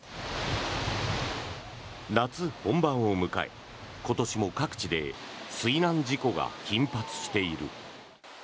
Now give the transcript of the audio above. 夏本番を迎え、今年も各地で水難事故が頻発している。